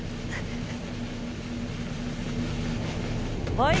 はい。